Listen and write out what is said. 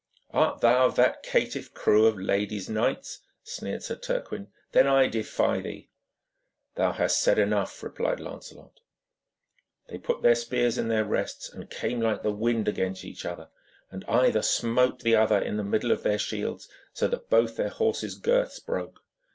'Art thou of that caitiff crew of ladies' knights?' sneered Sir Turquine. 'Then I defy thee.' 'Thou hast said enough,' replied Lancelot. They put their spears in their rests, and came like the wind against each other, and either smote other in the middle of their shields, so that both their horses' girths broke.